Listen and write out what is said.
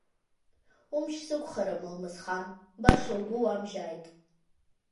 Умч сықәхарым, Алмысхан, баша угәы уамжьааит.